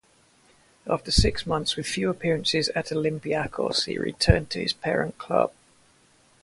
After six months with few appearances at Olympiacos, he returned to his parent club.